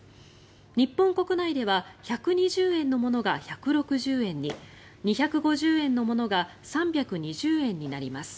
日本国内では１２０円のものが１６０円に２５０円のものが３２０円になります。